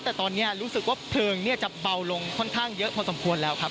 แต่ตอนนี้รู้สึกว่าเพลิงจะเบาลงค่อนข้างเยอะพอสมควรแล้วครับ